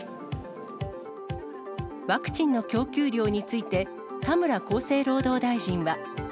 ワクチンの供給量について、田村厚生労働大臣は。